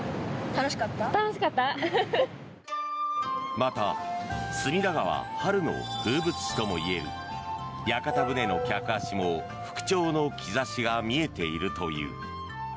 また隅田川、春の風物詩ともいえる屋形船の客足も復調の兆しが見えているという。